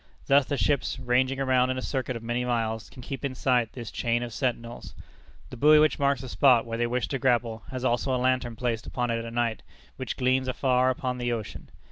Thus the ships, ranging around in a circuit of many miles, can keep in sight this chain of sentinels. The buoy which marks the spot where they wish to grapple has also a lantern placed upon it at night, which gleams afar upon the ocean.